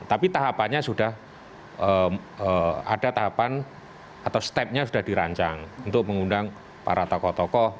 tapi tahapannya sudah ada tahapan atau stepnya sudah dirancang untuk mengundang para tokoh tokoh